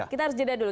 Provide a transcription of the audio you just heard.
kita harus jeda dulu